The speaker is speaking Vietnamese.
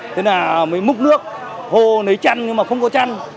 thế là mới múc nước hô lấy chăn nhưng mà không có chăn